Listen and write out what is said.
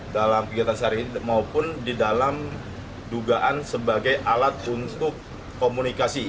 dalam kegiatan sehari ini maupun di dalam dugaan sebagai alat untuk komunikasi